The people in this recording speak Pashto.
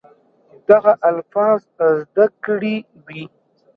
دغه الفاظ زده کړي وي